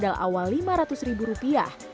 dengan berbekal modal awal lima ratus ribu rupiah